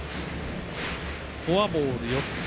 フォアボール４つ。